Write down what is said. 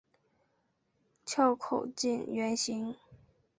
壳口近圆形。